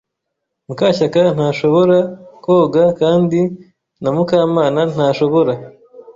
Mukashyakantashobora koga kandi na Mukamana ntashobora.